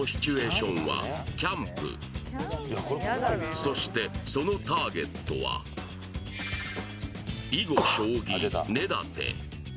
そして、そのターゲットは囲碁将棋・根建。